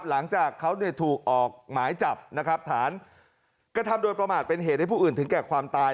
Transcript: หลังจากเขาถูกออกหมายจับนะครับฐานกระทำโดยประมาทเป็นเหตุให้ผู้อื่นถึงแก่ความตาย